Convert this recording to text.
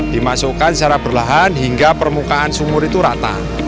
dimasukkan secara berlahan hingga permukaan sumur itu rata